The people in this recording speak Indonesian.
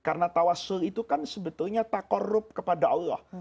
karena tawassul itu kan sebetulnya tak korup kepada allah